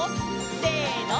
せの！